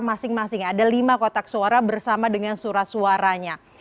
masing masing ada lima kotak suara bersama dengan surat suaranya